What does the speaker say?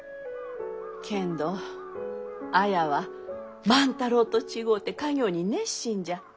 けんど綾は万太郎と違うて家業に熱心じゃ。